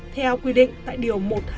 theo quy định tại điều một trăm hai mươi